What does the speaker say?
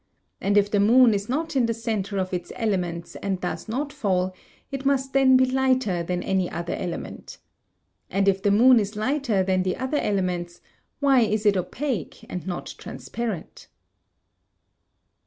And if the moon is not in the centre of its elements and does not fall, it must then be lighter than any other element. And if the moon is lighter than the other elements, why is it opaque and not transparent?